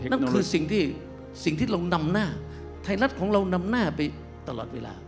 นั่นคือสิ่งที่สิ่งที่เรานำหน้าไทยรัฐของเรานำหน้าไปตลอดเวลา